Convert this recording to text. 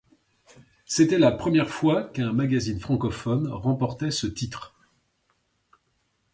C'était la première fois qu'un magazine francophone remportait ce titre.